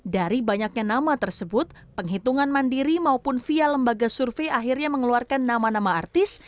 dari banyaknya nama tersebut penghitungan mandiri maupun via lembaga survei akhirnya mengeluarkan nama nama artis